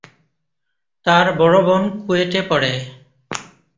তার বড় বোন কুয়েটে পড়ে।